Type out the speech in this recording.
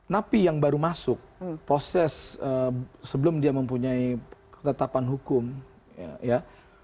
napi yang baru masuk proses sebelum dia mempunyai ketetapan hukum ya